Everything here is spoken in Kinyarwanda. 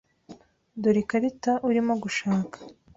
Dore ikarita urimo gushaka.